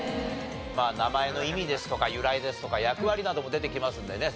名前の意味ですとか由来ですとか役割なども出てきますのでね